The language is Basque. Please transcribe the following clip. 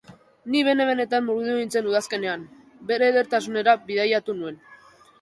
Ni bene-benetan murgildu nintzen udazkenean, bere edertasunera bidaiatu nuen.